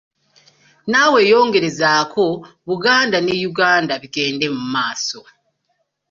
Nawe yongerezaako Buganda ne Uganda bigende mu maaso